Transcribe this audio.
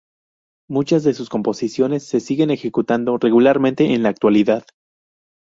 Muchas de sus composiciones se siguen ejecutando regularmente en la actualidad.